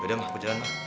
yaudah ma aku jalan ma